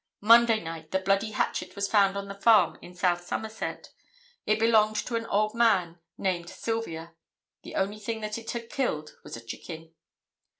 Monday night the bloody hatchet was found on the farm in South Somerset. It belonged to an old man named Sylvia. The only thing that it had killed was a chicken.